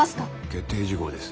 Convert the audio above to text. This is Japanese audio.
決定事項です。